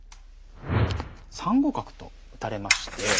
３五角と打たれまして。